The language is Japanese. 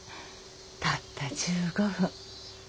たった１５分。